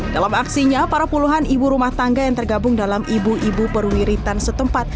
dalam aksinya para puluhan ibu rumah tangga yang tergabung dalam ibu ibu perwiritan setempat